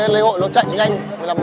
nên chọn thì chỉ đứng như thế nào